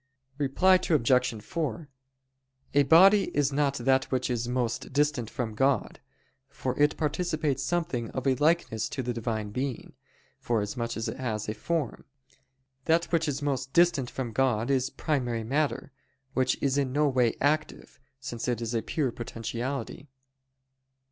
Reply Obj. 4: A body is not that which is most distant from God; for it participates something of a likeness to the Divine Being, forasmuch as it has a form. That which is most distant from God is primary matter; which is in no way active, since it is a pure potentiality.